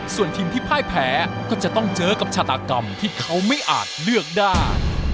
ส่วนทีมที่พ่ายแพ้ก็จะต้องเจอกับชาตากรรมที่เขาไม่อาจเลือกได้